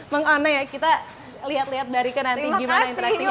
mengoneh ya kita lihat lihat mbak rike nanti gimana interaksinya